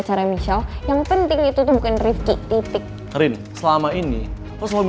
sorry ya gue sampe gak sadar udah sampe